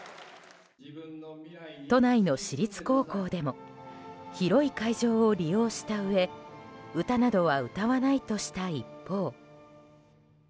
都内の私立高校でも広い会場を利用したうえ歌などは歌わないとした一方。